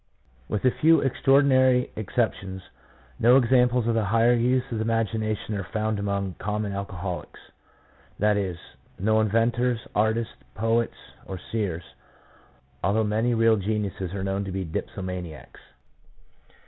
With a few extraordinary ex ceptions, no examples of the higher use of the imagination are found among common alcoholics — i.e., no inventors, artists, poets, or seers — although many real geniuses are known to be dipsomaniacs.